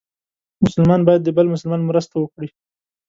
مسلمان باید د بل مسلمان مرسته وکړي.